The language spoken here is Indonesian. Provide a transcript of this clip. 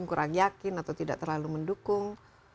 kurang yakin atau tidak terlalu mendukung